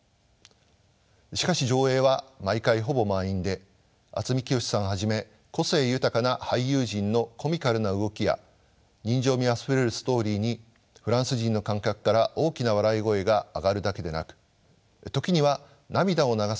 しかし上映は毎回ほぼ満員で渥美清さんはじめ個性豊かな俳優陣のコミカルな動きや人情味あふれるストーリーにフランス人の観客から大きな笑い声が上がるだけでなく時には涙を流す人もいるほどです。